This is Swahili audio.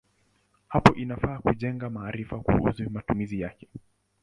Hapo inafaa kujenga maarifa kuhusu matumizi yake.